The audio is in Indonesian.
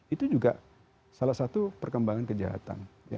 itu juga salah satu perkembangan kejahatan